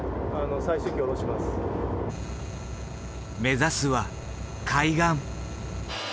目指すは海岸。